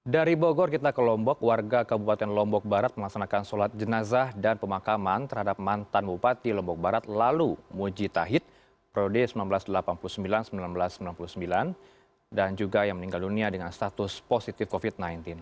dari bogor kita ke lombok warga kabupaten lombok barat melaksanakan sholat jenazah dan pemakaman terhadap mantan bupati lombok barat lalu muji tahid prioritas seribu sembilan ratus delapan puluh sembilan seribu sembilan ratus sembilan puluh sembilan dan juga yang meninggal dunia dengan status positif covid sembilan belas